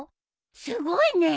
すごいね。